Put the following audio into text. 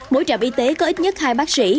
mỗi trạm y tế có ít nhất hai bác sĩ